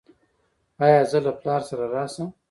ایا زه له پلار سره راشم؟